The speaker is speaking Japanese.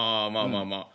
あまあま